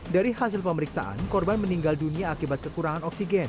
dari hasil pemeriksaan korban meninggal dunia akibat kekurangan oksigen